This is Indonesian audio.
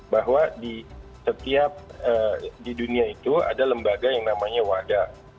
bahwa di setiap di dunia itu ada lembaga yang namanya wada